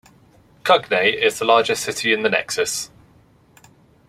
Kugnae is the largest city in the Nexus.